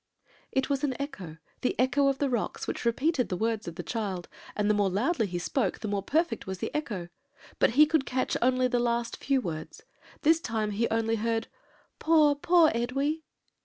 It was an echo, the echo of the rocks which repeated the words of the child; and the more loudly he spoke, the more perfect was the echo; but he could catch only the few last words; this time he only heard, 'Poor, poor Edwy!'